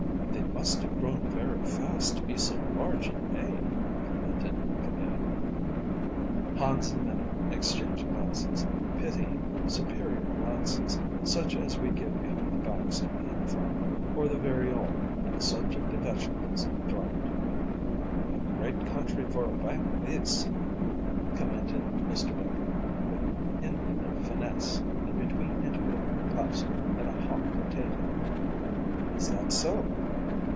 "They must have grown very fast to be so large in May," commented Camilla. Hans and Minna exchanged glances pitying, superior glances such as we give behind the backs of the infirm, or the very old; and the subject of vegetables dropped. "A great country for a bank, this," commented Mr. Becher, with infinite finesse and between intermittent puffs at a hot potato. "Is that so?"